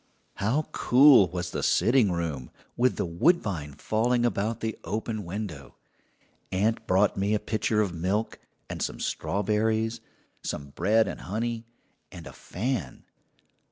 How cool was the sitting room, with the woodbine falling about the open window! Aunt brought me a pitcher of milk, and some strawberries, some bread and honey, and a fan.